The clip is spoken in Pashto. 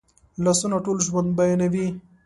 لاسونه ټول ژوند بیانوي